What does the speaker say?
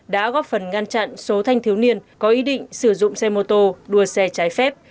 đã góp phần ngăn chặn số thanh thiếu niên có ý định sử dụng xe mô tô đua xe trái phép